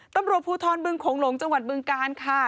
ตำรวจภูทรบึงโขงหลงจังหวัดบึงการค่ะ